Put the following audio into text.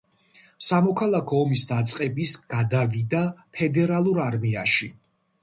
სამოქალაქო ომის დაწყების გადავიდა ფედერალურ არმიაში.